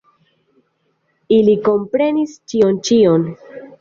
Ili komprenis ĉion, ĉion!